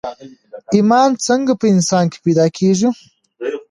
ايمان څنګه په انسان کې پيدا کېږي